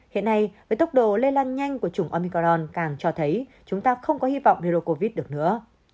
hiện nay với tốc độ lây lan nhanh của chủng omicron càng cho thấy chúng ta không có hy vọng virus covid được nữa